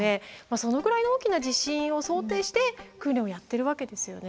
そのくらいの大きな地震を想定して訓練をやってるわけですよね。